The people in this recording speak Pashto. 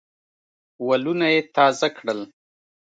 ولونه یې تازه کړل.